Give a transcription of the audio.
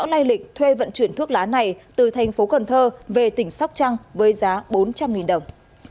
cũng rõ lai lịch thuê vận chuyển thuốc lá này từ thành phố cần thơ về tỉnh sóc trăng với giá bốn trăm linh đồng